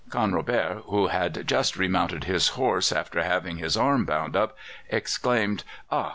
Canrobert, who had just remounted his horse, after having his arm bound up, exclaimed: "Ah!